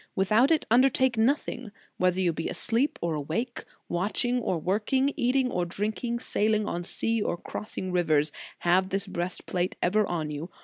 With out it, undertake nothing. Whether you be asleep or awake, watching or working, eating or drinking, sailing on sea or crossing rivers, have this breast plate ever on you.